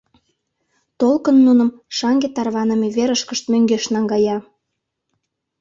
Толкын нуным шаҥге тарваныме верышкышт мӧҥгеш наҥгая.